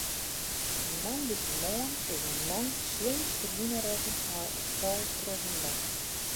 Moandeitemoarn is in man slim ferwûne rekke nei in fal troch in dak.